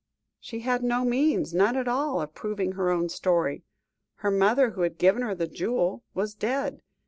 She had no means, none at all, of proving her own story. Her mother, who had given her the jewel, was dead.